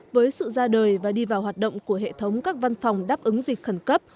với sự ra đời và đi vào hoạt động của hệ thống các văn phòng đáp ứng dịch khẩn cấp